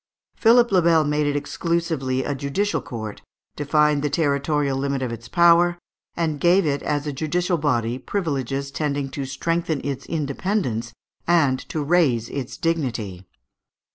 Philippe le Bel made it exclusively a judicial court, defined the territorial limit of its power, and gave it as a judicial body privileges tending to strengthen its independence and to raise its dignity.